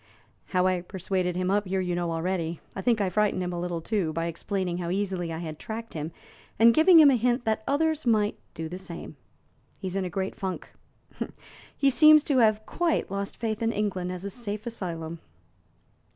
How I persuaded him up here you know already; I think I frightened him a little, too, by explaining how easily I had tracked him, and giving him a hint that others might do the same. He is in a great funk. He seems to have quite lost faith in England as a safe asylum."